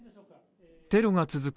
テロが続く